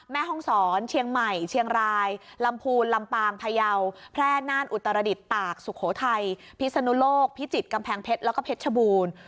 แม่ห้องศรเชียงใหม่เชียงรายลำพูนลำปางพยาวแพร่น่านอุตรดิษฐ์ตากสุโขทัยพิศนุโลกพิจิตรกำแพงเพชรแล้วก็เพชรชบูรณ์